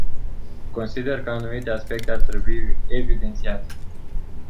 Consider că anumite aspecte ar trebui evidențiate.